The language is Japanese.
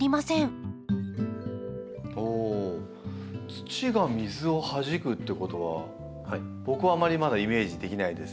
土が水をはじくってことは僕はあまりまだイメージできないですけど。